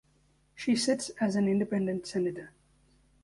She sits as an independent Senator.